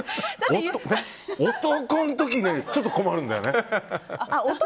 男の時、ちょっと困るんだよね。